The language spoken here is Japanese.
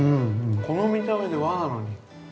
この見た目で和なのに。